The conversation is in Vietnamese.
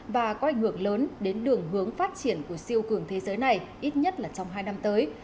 và có ảnh hưởng lớn đến đường hướng phát triển của siêu cường thế giới này ít nhất là trong hai năm tới